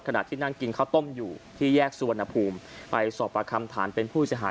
ขณะที่นั่งกินข้าวต้มอยู่ที่แยกสุวรรณภูมิไปสอบประคำฐานเป็นผู้เสียหาย